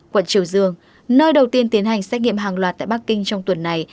quận triều dương nơi đầu tiên tiến hành xét nghiệm hàng loạt tại bắc kinh trong tuần này